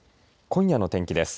今夜の天気です。